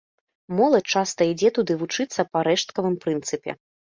Моладзь часта ідзе туды вучыцца па рэшткавым прынцыпе.